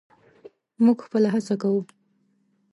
موږ خپله هڅه کوو.